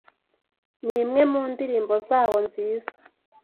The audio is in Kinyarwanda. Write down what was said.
Nimwe mu ndirimbo zabo nziza.